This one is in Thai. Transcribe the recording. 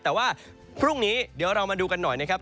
แต่ว่าพรุ่งนี้เดี๋ยวเรามาดูกันหน่อยนะครับ